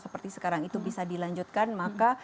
seperti sekarang itu bisa dilanjutkan maka